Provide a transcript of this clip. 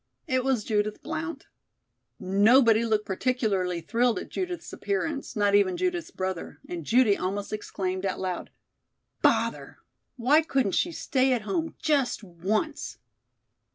It was Judith Blount. Nobody looked particularly thrilled at Judith's appearance, not even Judith's brother, and Judy almost exclaimed out loud: "Bother! Why couldn't she stay at home just once?"